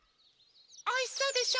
おいしそうでしょ？